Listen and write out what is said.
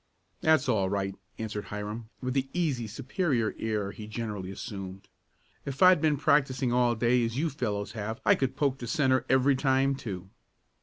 "That's all right," answered Hiram with the easy superior air he generally assumed. "If I'd been practicing all day as you fellows have I could poke the centre every time, too."